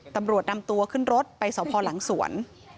ตำรวจนำตัวขึ้นรถไปสพหลังสวน